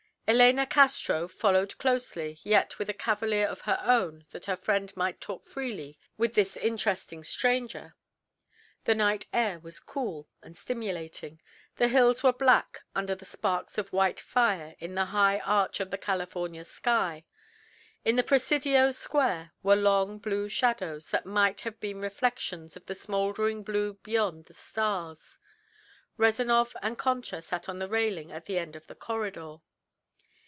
Elena Castro followed closely, yet with a cavalier of her own that her friend might talk freely with this interesting stranger. The night air was cool and stimulating. The hills were black under the sparks of white fire in the high arch of the California sky. In the Presidio square were long blue shadows that might have been reflections of the smoldering blue beyond the stars. Rezanov and Concha sat on the railing at the end of the "corridor."